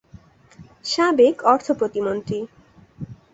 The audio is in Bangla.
সাবেক অর্থ প্রতিমন্ত্রী।